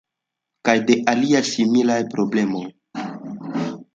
Kaj de aliaj similaj problemoj.